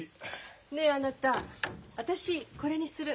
ねえあなた私これにする。